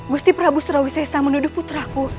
gusti prabu surawisesa menuduh putraku